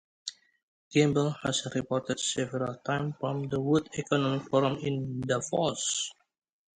Gamble has reported several times from the World Economic Forum in Davos.